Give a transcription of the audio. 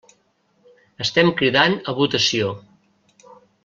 Estem cridant a votació.